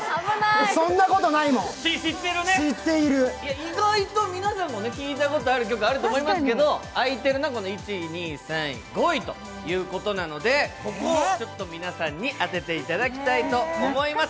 意外と皆さんも聴いたことある曲あると思いますが空いてるのは１位、２位、３位、５位ということで、ここを皆さんに当てていただきたいと思います。